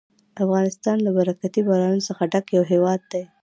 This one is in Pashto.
افغانستان له برکتي بارانونو څخه ډک یو هېواد دی.